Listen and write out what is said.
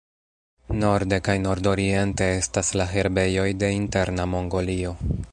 Norde kaj nordoriente estas la herbejoj de Interna Mongolio.